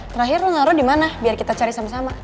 terakhir lo ngaruh dimana biar kita cari sama sama